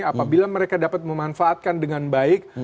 apabila mereka dapat memanfaatkan dengan baik